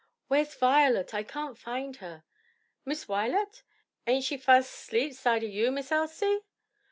"Where's Violet? I can't find her." "Miss Wi'let? aint she fas' asleep side o' you, Miss Elsie?"